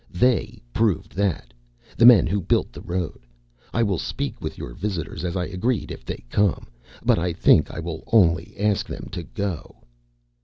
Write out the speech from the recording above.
They proved that. The men who built the road. I will speak with your visitors as I agreed, if they come. But I think I will only ask them to go."